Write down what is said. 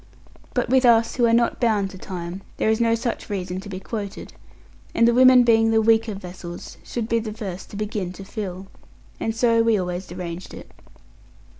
But with us, who are not bound to time, there is no such reason to be quoted; and the women being the weaker vessels, should be the first to begin to fill. And so we always arranged it.